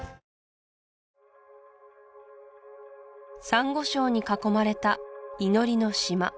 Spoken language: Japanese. サンゴ礁に囲まれた祈りの島